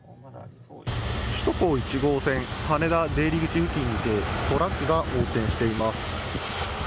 首都高１号線羽田出入口付近でトラックが横転しています。